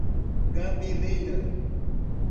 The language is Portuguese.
Gameleira